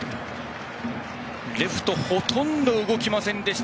レフトほとんど動きませんでした。